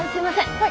はい。